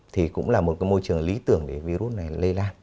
thì cũng là một cái môi trường lý tưởng để virus này lây lan